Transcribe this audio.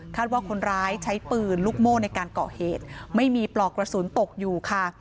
ว่าคนร้ายใช้ปืนลูกโม่ในการก่อเหตุไม่มีปลอกกระสุนตกอยู่ค่ะ